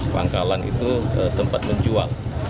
pangkalan itu tempat menjual